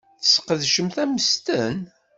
Tesqedcemt ammesten?